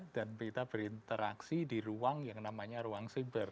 dan kita berinteraksi di ruang yang namanya ruang ciber